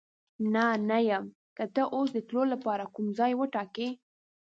نه، نه یم، که ته اوس د تلو لپاره کوم ځای وټاکې.